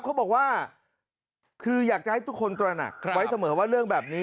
เขาบอกว่าคืออยากจะให้ทุกคนตระหนักไว้เสมอว่าเรื่องแบบนี้